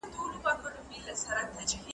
محمد نور ږغ کړ چي یعقوبی صاحب چیری دی؟